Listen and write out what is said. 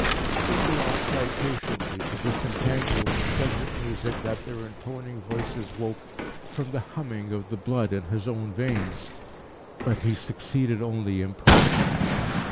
Henriot tried patiently to disentangle this desert music that their intoning voices woke, from the humming of the blood in his own veins. But he succeeded only in part.